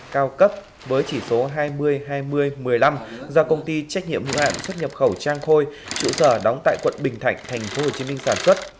cao cấp với chỉ số hai mươi hai mươi một mươi năm do công ty trách nhiệm hữu hạn xuất nhập khẩu trang khôi chủ sở đóng tại quận bình thạnh thành phố hồ chí minh sản xuất